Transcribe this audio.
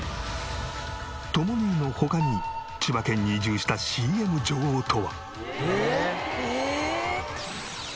とも姉の他に千葉県に移住したＣＭ女王とは。